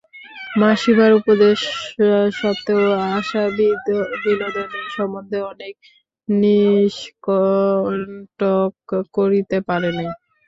মাসিমার উপদেশসত্ত্বেও আশা বিনোদিনী সম্বন্ধে মনকে নিষ্কন্টক করিতে পারে নাই।